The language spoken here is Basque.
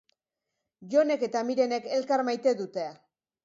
Jonek eta Mirenek elkar maite dute.